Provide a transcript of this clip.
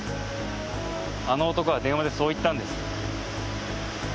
あの男は電話でそう言ったんです。